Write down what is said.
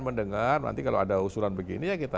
mendengar nanti kalau ada usulan begini ya kita